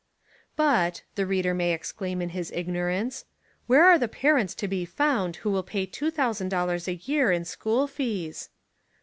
"But," the reader may exclaim in his igno rance, "where are the parents to be found who will pay two thousand dollars a year in school fees?"